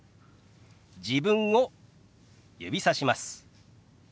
自分を指さします。